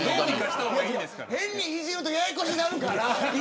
変にいじるとややこしなるから。